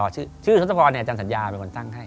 ชื่อทศพรอาจารย์สัญญาเป็นคนตั้งให้